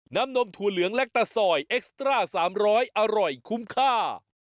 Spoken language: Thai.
น้ำนมถั่วเหลืองแลกตะสอยเอ็กซ์ตร้าสามร้อยอร่อยคุ้มค่า